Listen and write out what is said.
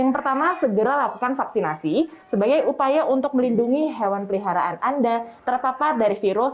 yang pertama segera lakukan vaksinasi sebagai upaya untuk melindungi hewan peliharaan anda terpapar dari virus